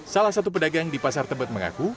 salah satu pedagang di pasar tebet mengaku